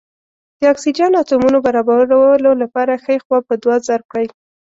د اکسیجن اتومونو برابرولو لپاره ښۍ خوا په دوه ضرب کړئ.